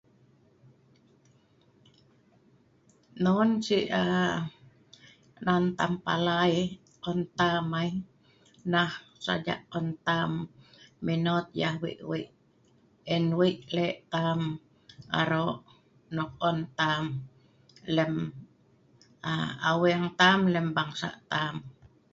Non si’ aa… nan taam palaai on taam ai nah saja’ on taam menot yeh wei-wei en wei le’ taam aroq nok on taam lem aa… aweng taam lem bangsa’ taam